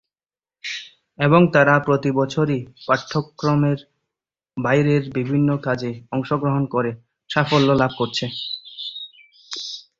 এবং তারা প্রতিবছরই পাঠ্যক্রমের বাইরের বিভিন্ন কাজে অংশগ্রহণ করে সাফল্য লাভ করছে।